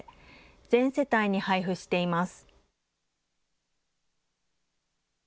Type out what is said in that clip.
全世帯に配布しています。